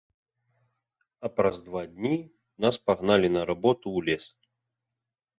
А праз два дні нас пагналі на работу ў лес.